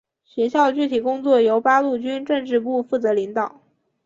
学校的具体工作由八路军政治部负责领导。